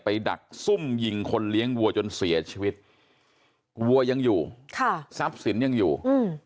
ดักซุ่มยิงคนเลี้ยงวัวจนเสียชีวิตวัวยังอยู่ค่ะทรัพย์สินยังอยู่อืม